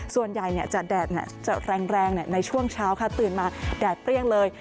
ส่วนใหญ่จะแดดจะแรงในช่วงเช้าค่ะตื่นมาแดดเปรี้ยงเลย